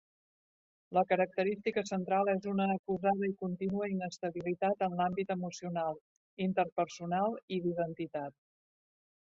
La característica central és una acusada i contínua inestabilitat en l'àmbit emocional, interpersonal i d'identitat.